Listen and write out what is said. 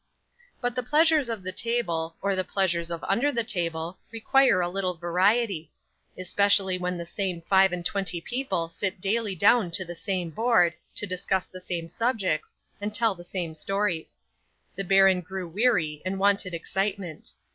'But the pleasures of the table, or the pleasures of under the table, require a little variety; especially when the same five and twenty people sit daily down to the same board, to discuss the same subjects, and tell the same stories. The baron grew weary, and wanted excitement.